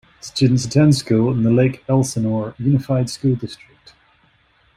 Students attend school in the Lake Elsinore Unified School District.